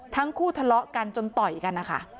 ทั้งคู่ทะเลาะกันจนต่อยกันนะคะ